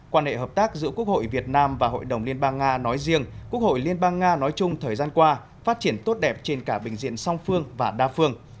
quan hệ hợp tác giữa quốc hội việt nam và hội đồng liên bang nga nói riêng quốc hội liên bang nga nói chung thời gian qua phát triển tốt đẹp trên cả bình diện song phương và đa phương